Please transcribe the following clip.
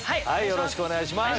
よろしくお願いします。